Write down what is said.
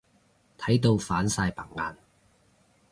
睇到反晒白眼。